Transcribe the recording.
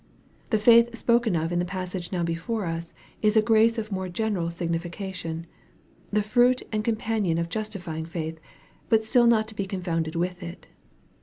The faith spoken of in the passage now before us is a grace of more general signification, the fruit and companion of justifying faith, but still not to be con founded with it.